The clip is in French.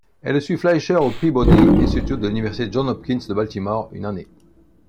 Elle suit Fleisher au Peabody Institute de l'Université Johns Hopkins de Baltimore, une année.